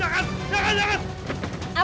jangan jangan jangan